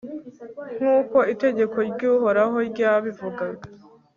nk'uko itegeko ry'uhoraho ryabivugaga